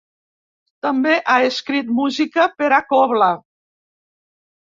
També ha escrit música per a cobla.